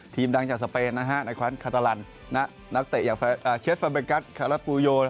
ทีมดังจากสเปนนะครับในครั้งนั้นคาตารันนักเตะอย่างเชฟเฟอร์เบรกัสคาราบปูโย